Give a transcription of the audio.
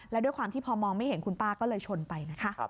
แล้วด้วยความที่พอมองไม่เห็นคุณป้าก็เลยชนไปนะคะ